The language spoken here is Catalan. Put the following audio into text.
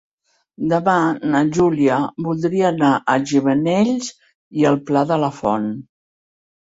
Demà na Júlia voldria anar a Gimenells i el Pla de la Font.